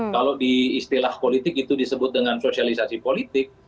kalau diistilah politik itu disebut dengan sosialisasi politik